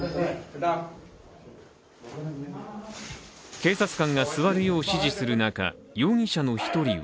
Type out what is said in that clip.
警察官が座るよう指示する中、容疑者の１人は